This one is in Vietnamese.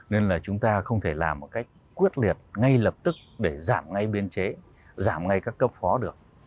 nên là chúng ta không thể làm một cách quyết liệt ngay lập tức để giảm ngay biên chế giảm ngay các cấp phó được